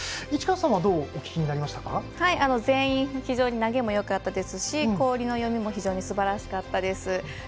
市川さん、どうお聞きになりましたか。全員非常に投げもよかったですし氷の読みも非常にすばらしかったです。